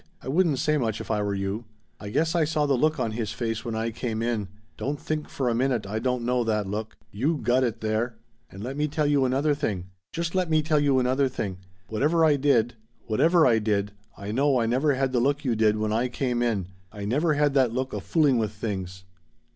I wouldn't say much if I were you. I guess I saw the look on his face when I came in. Don't think for a minute I don't know that look. You got it there. And let me tell you another thing. Just let me tell you another thing! Whatever I did whatever I did I know I never had the look you did when I came in! I never had that look of fooling with things!"